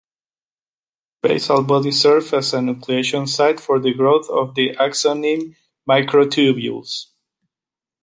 Basal body serves as a nucleation site for the growth of the axoneme microtubules.